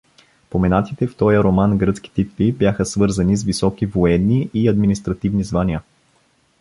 Поменатите в тоя роман гръцки титли бяха свързани с високи военни и административни звания.